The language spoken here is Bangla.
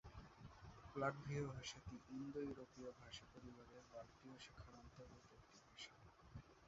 লাটভীয় ভাষাটি ইন্দো-ইউরোপীয় ভাষাপরিবারের বাল্টীয় শাখার অন্তর্গত একটি ভাষা।